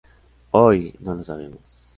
Hoy, no lo sabemos.